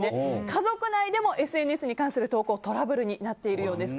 家族内でもＳＮＳに関する投稿トラブルになっているようです。